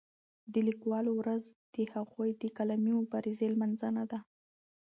د لیکوالو ورځ د هغوی د قلمي مبارزې لمانځنه ده.